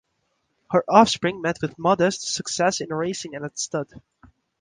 Her offspring met with modest success in racing and at stud.